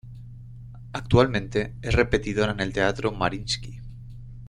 Actualmente es repetidora en el Teatro Mariinski.